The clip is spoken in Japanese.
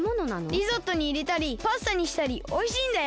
リゾットにいれたりパスタにしたりおいしいんだよ！